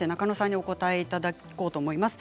お答えしていただこうと思います。